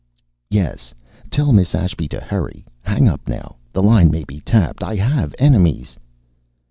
"Yes. Tell Miss Ashby to hurry. Hang up now. The line may be tapped. I have enemies."